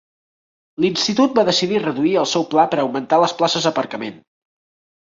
L'institut va decidir reduir el seu pla per augmentar les places d'aparcament.